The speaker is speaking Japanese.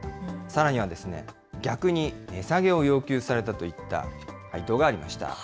さらには逆に値下げを要求されたといった回答がありました。